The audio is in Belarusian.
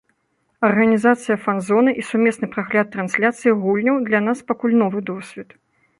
Арганізацыя фан-зоны і сумесны прагляд трансляцый гульняў для нас пакуль новы досвед.